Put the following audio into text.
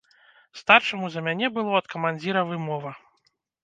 Старшаму за мяне было ад камандзіра вымова.